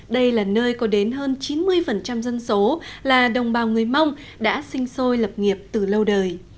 đây là nơi có đến hơn chín mươi dân số là đồng bào người mông đã sinh sôi lập nghiệp từ lâu đời